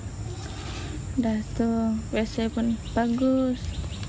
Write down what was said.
wc pun bagus